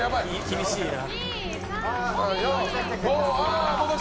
厳しいな。